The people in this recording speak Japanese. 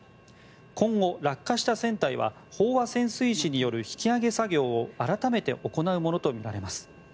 今後落下した船体は飽和潜水士による引き揚げ作業を改めて行うものとみられます。